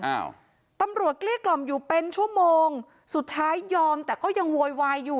อ้าวตำรวจเกลี้ยกล่อมอยู่เป็นชั่วโมงสุดท้ายยอมแต่ก็ยังโวยวายอยู่